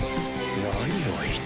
何を言って。